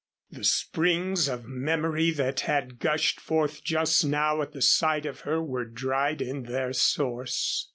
The springs of memory that had gushed forth just now at the sight of her were dried in their source.